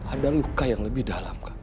ada luka yang lebih dalam